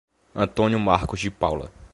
Antônio Marcos de Paula